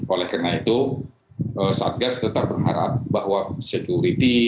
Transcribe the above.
oleh karena itu satgas tetap berharap bahwa security